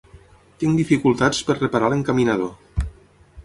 Tinc dificultats per reparar l'encaminador.